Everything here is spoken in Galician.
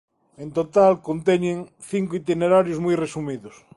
En total conteñen cinco itinerarios moi resumidos.